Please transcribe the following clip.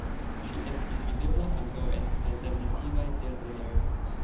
Ŝi estis videbla ankaŭ en alternativaj teatrejoj.